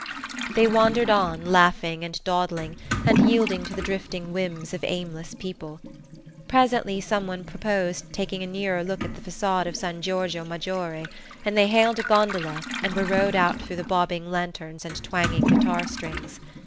They wandered on, laughing and dawdling, and yielding to the drifting whims of aimless people. Presently someone proposed taking a nearer look at the facade of San Giorgio Maggiore, and they hailed a gondola and were rowed out through the bobbing lanterns and twanging guitar strings.